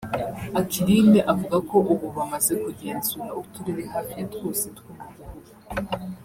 Aquiline avuga ko ubu bamaze kugenzura uturere hafi ya twose two mu gihugu